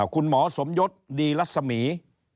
คุณหมอสมยศดีรัศมี